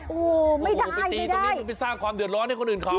โอ้โหไปตีตรงนี้มันไปสร้างความเดือดร้อนให้คนอื่นเขา